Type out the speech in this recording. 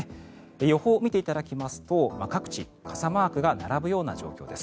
予報を見ていただきますと各地、傘マークが並ぶような状況です。